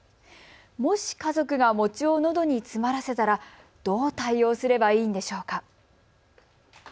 もし家族が餅をのどに詰まらせたらどう対応すればいいんでしょうか。